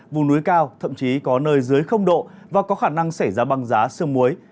vùng núi cao thậm chí có nơi dưới độ và có khả năng xảy ra băng giá sương muối